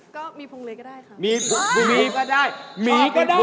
ก็มีผงเลกก็ได้ค่ะ